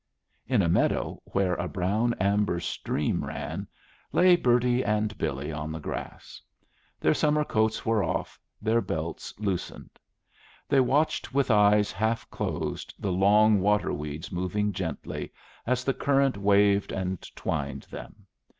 In a meadow where a brown amber stream ran, lay Bertie and Billy on the grass. Their summer coats were off, their belts loosened. They watched with eyes half closed the long water weeds moving gently as the current waved and twined them.